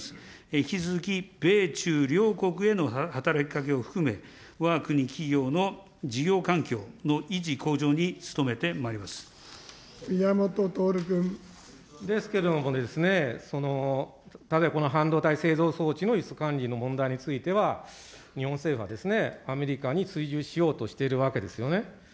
引き続き、米中両国への働きかけを含め、わが国企業の事業環境の維持、宮本徹君。ですけどもね、例えばこの半導体製造装置の輸出管理の問題については、日本政府はアメリカに追従しようとしてるわけですよね。